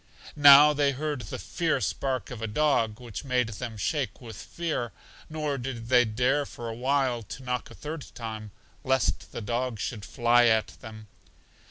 Now they heard the fierce bark of a dog, which made them shake with fear, nor did they dare for a while to knock a third time, lest the dog should fly at them.